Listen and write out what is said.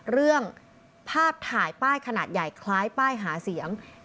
เรื่องภาพถ่ายป้ายขนาดใหญ่คล้ายป้ายหาเสียง